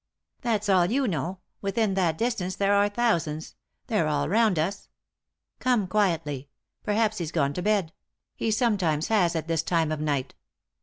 " That's all you know ; within that distance there are thousands. They're all round us. Come quietly ; perhaps he's gone to bed ; he sometimes has at this time of night."